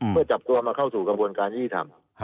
เพื่อจับตัวมาเข้าสู่กระบวนการยี่ทำ